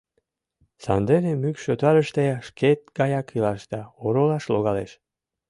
Сандене мӱкшотарыште шкет гаяк илаш да оролаш логалеш.